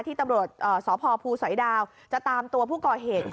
ที่ตำรวจสพภูสอยดาวจะตามตัวผู้ก่อเหตุ